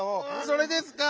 「それ」ですか？